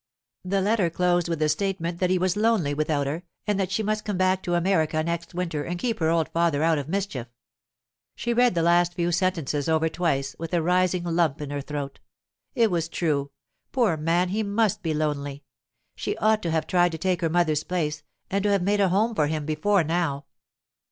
The letter closed with the statement that he was lonely without her, and that she must come back to America next winter and keep her old father out of mischief. She read the last few sentences over twice, with a rising lump in her throat. It was true. Poor man, he must be lonely! She ought to have tried to take her mother's place, and to have made a home for him before now.